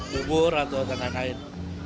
bubur atau dan lain lain